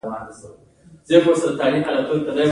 تشکیل باید د اصلي اهدافو او دندو سره همغږی وي.